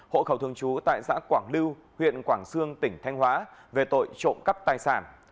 hộ khẩu thường trú tại xã quảng lưu huyện quảng sương tỉnh thanh hóa về tội trộm cắp tài sản